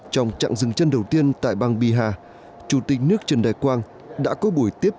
trong trạng dừng chân đầu tiên tại bang bihar chủ tịch nước trần đại quang đã có buổi tiếp